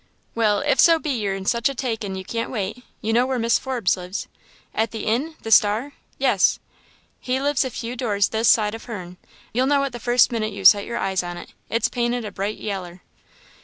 "Well if so be you're in such a takin' you can't wait you know where Mis' Forbes lives?" "At the inn? the Star! yes." "He lives a few doors this side o' her'n; you'll know it the first minute you set your eyes on it it's painted a bright yaller."